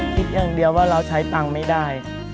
คิดอย่างเดียวว่าเราใช้ตังค์ไม่ได้